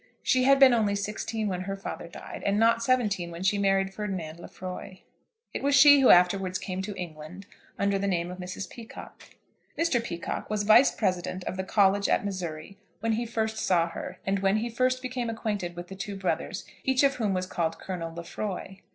She had been only sixteen when her father died, and not seventeen when she married Ferdinand Lefroy. It was she who afterwards came to England under the name of Mrs. Peacocke. Mr. Peacocke was Vice President of the College at Missouri when he first saw her, and when he first became acquainted with the two brothers, each of whom was called Colonel Lefroy.